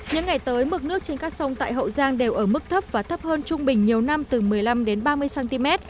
những ngày tới mực nước trên các sông tại hậu giang đều ở mức thấp và thấp hơn trung bình nhiều năm từ một mươi năm đến ba mươi cm